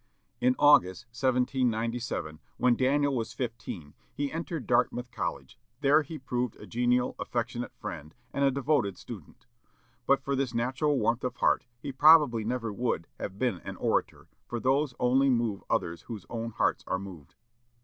'" In August, 1797, when Daniel was fifteen, he entered Dartmouth College; there he proved a genial, affectionate friend, and a devoted student. But for this natural warmth of heart, he probably never would have been an orator, for those only move others whose own hearts are moved.